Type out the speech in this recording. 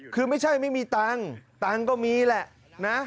คือไม่ใช่ไม่มีตังค์ตังค์ก็มีแหละนะ